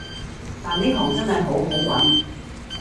但呢行真係好好搵